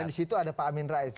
dan di situ ada pak amin rais